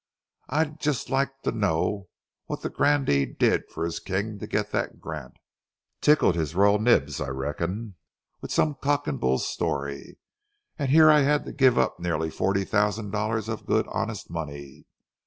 I'd just like to know what the grandee did for his king to get that grant. Tickled his royal nibs, I reckon, with some cock and bull story, and here I have to give up nearly forty thousand dollars of good honest money.